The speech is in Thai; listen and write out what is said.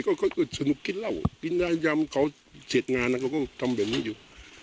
ก็สนุกกินแล้วกินได้ยำเขาเสร็จงานแล้วก็ทำแบบนี้อยู่